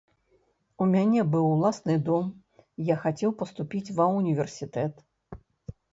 У мяне быў уласны дом, я хацеў паступіць ва ўніверсітэт.